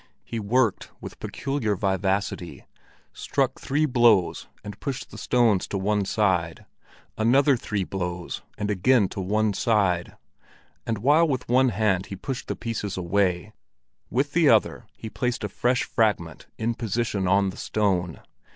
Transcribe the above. He worked with peculiar vivacity—struck three blows and pushed the stones to one side, another three blows, and again to one side; and while with one hand he pushed the pieces away, with the other he placed a fresh fragment in position on the stone.